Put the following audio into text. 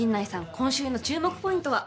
今週の注目ポイントは？